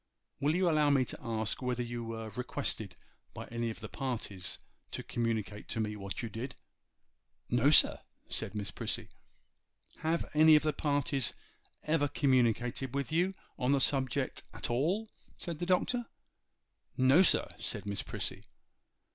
Will you allow me to ask whether you were requested by any of the parties to communicate to me what you did?' 'No, sir,' said Miss Prissy. 'Have any of the parties ever communicated with you on the subject at all?' said the Doctor. 'No, sir,' said Miss Prissy.